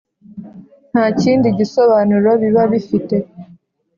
nta kindi gisobanuro biba bifite